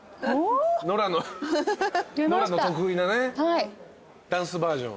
ノラの得意なねダンスバージョン。